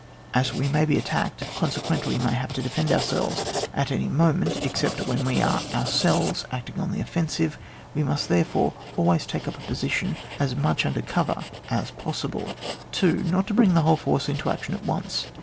As we may be attacked, consequently may have to defend ourselves, at any moment, except when we are ourselves acting on the offensive, we must there fore always take up a position as much under cover as possibly, 2. Not to bring the whole force into action at once.